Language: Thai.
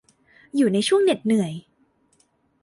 อยู่ในช่วงเหน็ดเหนื่อย